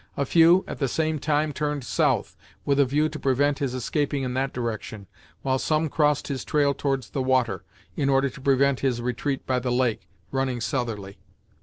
A few, at the same time, turned south, with a view to prevent his escaping in that direction, while some crossed his trail towards the water, in order to prevent his retreat by the lake, running southerly.